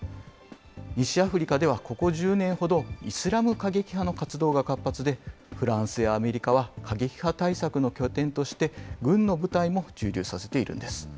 西アフリカではここ１０年ほど、イスラム過激派の活動が活発で、フランスやアメリカは、過激派対策の拠点として、軍の部隊も駐留させているんです。